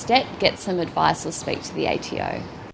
dapatkan saran atau berbicara dengan ato